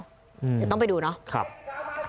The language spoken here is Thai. อย่าต้องไปดูเนาะ